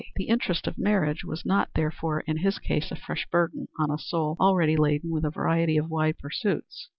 The interest of marriage was not, therefore, in his case a fresh burden on a soul already laden with a variety of side pursuits.